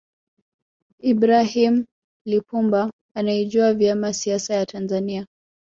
ibrahim Lipumba anaijua vyema siasa ya tanzania